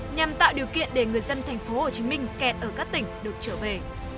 nhằm tạo điều kiện để người dân tp hcm kẹt ở các tỉnh được trở về